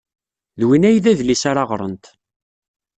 D win ay d adlis ara ɣrent.